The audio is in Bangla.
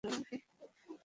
ওহ, আমার চুল!